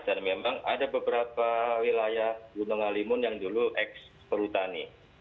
dan memang ada beberapa wilayah gunung halimun yang dulu eks perutani